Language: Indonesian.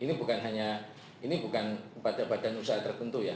ini bukan hanya ini bukan badan usaha tertentu ya